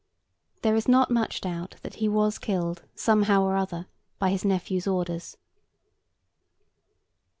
There is not much doubt that he was killed, somehow or other, by his nephew's orders.